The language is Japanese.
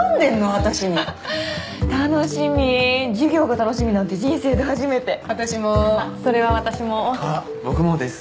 私に楽しみ授業が楽しみなんて人生で初めて私もそれは私もあっ僕もです